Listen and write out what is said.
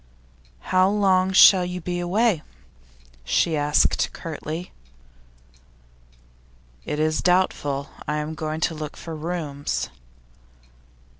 'How long shall you be away?' she asked, curtly. 'It is doubtful. I am going to look for rooms.